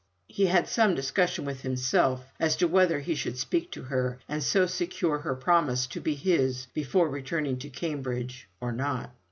He had some discussion with himself as to whether he should speak to her, and so secure her promise to be his before returning to Cambridge or not.